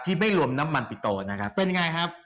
ไม่รวมน้ำมันปิโตนะครับเป็นยังไงครับ